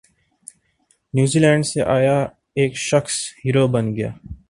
نیوزی Zealand سے آیا ایک شخص ہیرو بن گیا